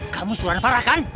kamu suruhan farah kan